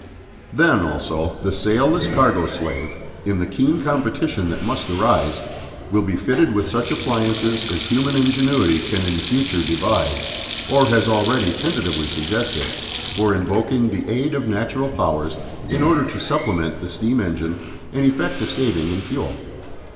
Then, also, the sailless cargo slave, in the keen competition that must arise, will be fitted with such appliances as human ingenuity can in future devise, or has already tentatively suggested, for invoking the aid of natural powers in order to supplement the steam engine and effect a saving in fuel.